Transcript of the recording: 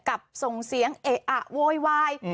ส่งเสียงเอะอะโวยวาย